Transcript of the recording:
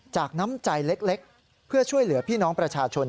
น้ำใจเล็กเพื่อช่วยเหลือพี่น้องประชาชน